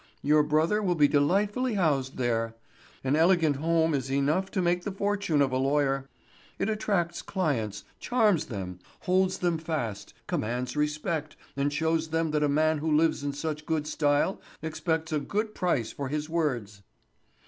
Your brother will be delightfully housed there. An elegant home is enough to make the fortune of a lawyer. It attracts clients, charms them, holds them fast, commands respect, and shows them that a man who lives in such good style expects a good price for his words."